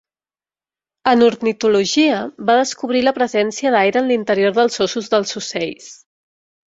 En ornitologia, va descobrir la presència d'aire en l'interior dels ossos dels ocells.